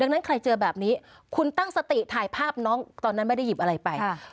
นั้นใครเจอแบบนี้คุณตั้งสติถ่ายภาพน้องตอนนั้นไม่ได้หยิบอะไรไป